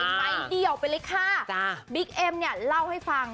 ไม้เดี่ยวไปเลยค่ะจ้ะบิ๊กเอ็มเนี่ยเล่าให้ฟัง